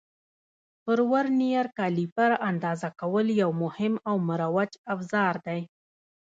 پر ورنیز کالیپر اندازه کول یو مهم او مروج افزار دی.